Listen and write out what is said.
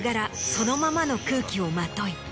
そのままの空気をまとい